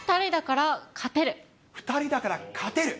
２人だから、勝てる。